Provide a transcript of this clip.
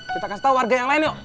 kita kasih tahu warga yang lain yuk